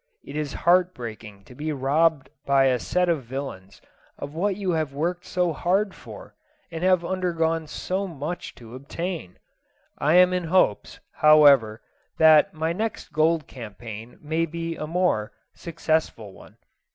It is heart breaking to be robbed by a set of villains of what you have worked so hard for, and have undergone so much to obtain. I am in hopes, however, that my next gold campaign may be a more, successful one.